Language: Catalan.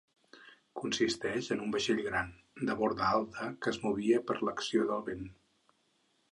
Consisteix en un vaixell gran, de borda alta que es movia per l'acció del vent.